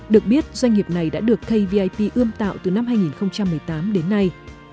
được biết doanh nghiệp này đã được kvip ươm tạo từ năm hai nghìn một mươi tám đến nay